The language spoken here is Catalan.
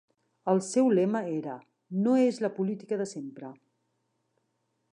El seu lema era "No és la política de sempre".